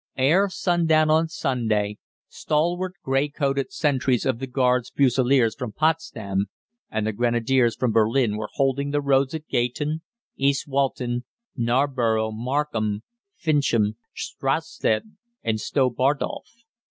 Ere sundown on Sunday, stalwart grey coated sentries of the Guards Fusiliers from Potsdam, and the Grenadiers from Berlin were holding the roads at Gayton, East Walton, Narborough, Markham, Fincham, Stradsett, and Stow Bardolph.